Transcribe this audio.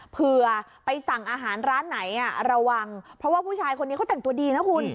เผื่อไปสั่งอาหารร้านไหนระวังเพราะว่าผู้ชายคนนี้เขาแต่งตัวดีนะคุณ